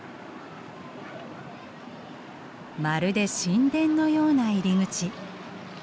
まるで神殿のような入り口。